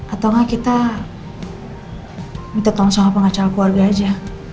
atau enggak kita minta tolong sama pengacara keluarga aja